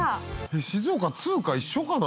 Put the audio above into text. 静岡通貨一緒かな？